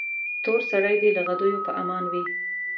تور سرې دې له غدیو په امان وي.